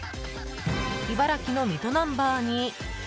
茨城の水戸ナンバーに。